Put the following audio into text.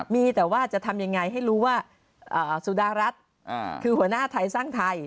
มีแต่ว่าจะทำยังไงให้รู้ว่าสุดารัฐคือหัวหน้าไทยสร้างไทย